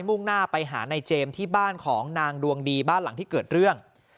มุ่งหน้าไปหานายเจมส์ที่บ้านของนางดวงดีบ้านหลังที่เกิดเรื่อง